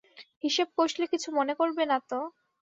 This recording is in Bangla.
হিসেব কষলে কিছু মনে করবে না তো?